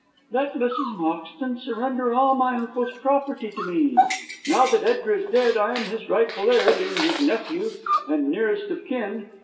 "Let Mrs. Moxton surrender all my uncle's property to me. Now that Edgar is dead, I am his rightful heir, being his nephew, and nearest of kin.